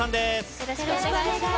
よろしくお願いします。